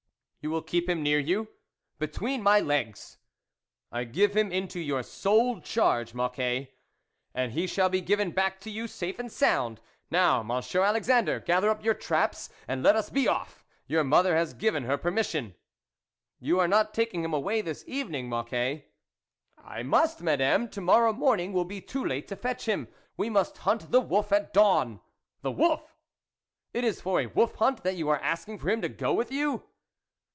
" You will keep him near you ?"" Between my legs." " I give him into your sole charge, Mocquet." "And he shall be given back to you safe and sound. Now, Monsieur Alex andre, gather up your traps, and let us be off; your mother has given her permis sion." "You are not taking him away this evening, Mocquet." " I must, Madame, to morrow morning will be too late to fetch him ; we must hunt the wolf at dawn." "The wolf! it is for a wolf hunt that you are asking for him to go with you?